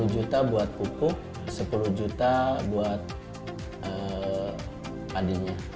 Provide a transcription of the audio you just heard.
tiga puluh juta buat pupuk sepuluh juta buat padinya